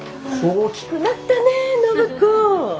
大きくなったね暢子。